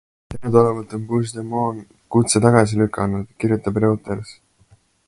Teadaolevalt on Puigdemont kutse tagasi lükanud, kirjutab Reuters.